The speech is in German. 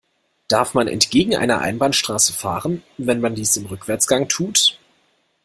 Darf man entgegen einer Einbahnstraße fahren, wenn man dies im Rückwärtsgang tut?